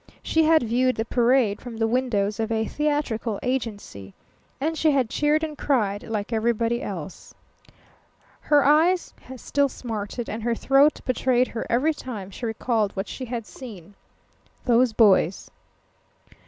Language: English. She had viewed the parade from the windows of a theatrical agency, and she had cheered and cried like everybody else. Her eyes still smarted, and her throat betrayed her every time she recalled what she had seen. Those boys!